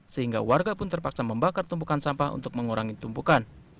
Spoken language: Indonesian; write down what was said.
sehingga warga pun terpaksa membakar tumpukan sampah untuk mengurangi tumpukan